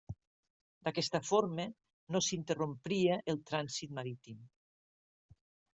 D'aquesta forma no s'interrompria el trànsit marítim.